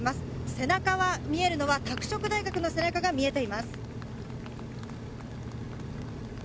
背中は見えるのは拓殖大学の背中が見えています。